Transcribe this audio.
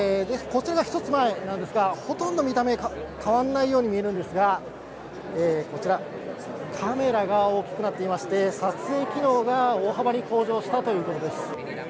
こちらが１つ前なんですが、ほとんど見た目、変わんないように見えるんですが、こちら、カメラが大きくなっていまして、撮影機能が大幅に向上したということです。